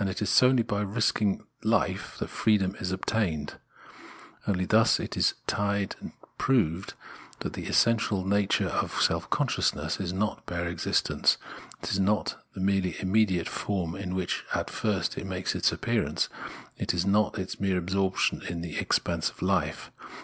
And it is solely by risking life, that freedom is obtained ; only thus is it tried and proved that the essential nature of self conscious ness is not bare existence, is not the merely immediate form in which it at first makes its appearance, is not its mere absorption in the expanse of hfe.